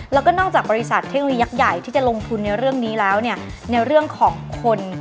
แล้วก็นอกจากบริษัทเทคโนโลยักษ์ใหญ่ที่จะลงทุนในเรื่องนี้แล้วเนี่ยในเรื่องของคน